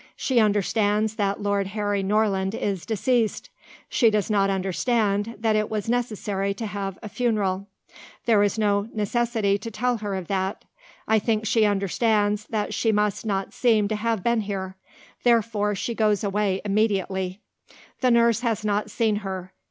She understands that Lord Harry Norland is deceased. She does not understand that it was necessary to have a funeral; there is no necessity to tell her of that. I think she understands that she must not seem to have been here. Therefore she goes away immediately. "The nurse has not seen her.